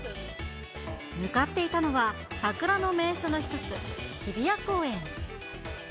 向かっていたのは、桜の名所の一つ、日比谷公園。